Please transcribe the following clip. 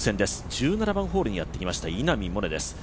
１７番ホールにやってきました稲見萌寧です。